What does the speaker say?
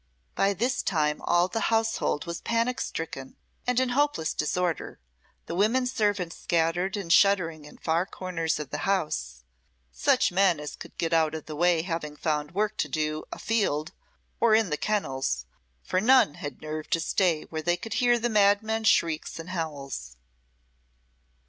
By this time all the household was panic stricken and in hopeless disorder, the women servants scattered and shuddering in far corners of the house; such men as could get out of the way having found work to do afield or in the kennels, for none had nerve to stay where they could hear the madman's shrieks and howls.